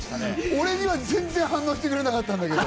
俺には全然反応してくれなかったんですけど。